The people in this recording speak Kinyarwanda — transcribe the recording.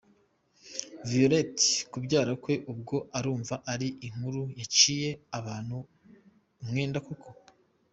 :Violette kubyara kwe ubwo urumva ari inkuru yacira abantu umwenda koko?